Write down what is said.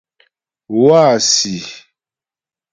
Wâsi᷅.